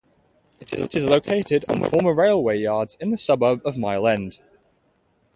It is located on former railway yards in the suburb of Mile End.